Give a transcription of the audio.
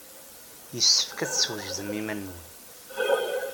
Yessefk ad teswejdem iman-nwen.